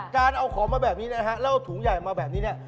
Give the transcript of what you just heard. การเอาของมาแบบนี้นะฮะแล้วเอาถุงใหญ่มาแบบนี้เนี่ย